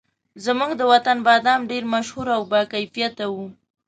زموږ د وطن بادام ډېر مشهور او باکیفیته وو.